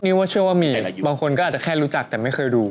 ว่าเชื่อว่ามีบางคนก็อาจจะแค่รู้จักแต่ไม่เคยดู